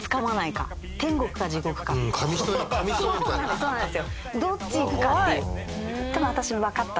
そうなんですよ。